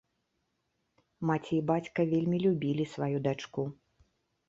Маці і бацька вельмі любілі сваю дачку.